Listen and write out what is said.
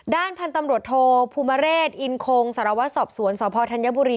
ด้านพันธุ์ตำรวจโทภูมิเรศอินคงสารวัตรสอบสวนสพธัญบุรี